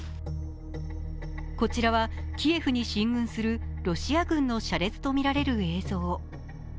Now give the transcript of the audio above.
こちらはキエフに進軍するロシア軍の車列とみられる映像。